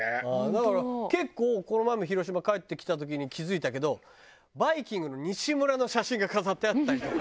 だから結構この前も広島帰ってきた時に気付いたけどバイきんぐの西村の写真が飾ってあったりとか。